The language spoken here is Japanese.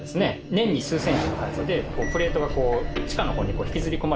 年に数センチの速さでプレートが地下の方に引きずり込まれてるんですよね。